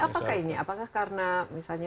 apakah ini apakah karena